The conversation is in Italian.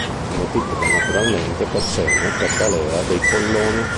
Si moltiplica naturalmente per seme, per talea dei polloni.